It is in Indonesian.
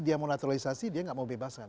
dia mau naturalisasi dia gak mau bebas kan